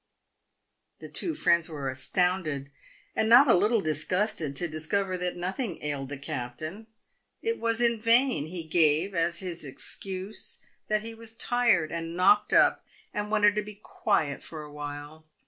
The two friends were astounded, and not a little disgusted to dis cover that nothing ailed the captain. It was in vain he gave as his excuse that he was tired and knocked up, and wanted to be quiet for a while.